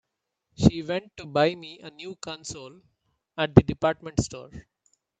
She went to buy me a new console at the department store.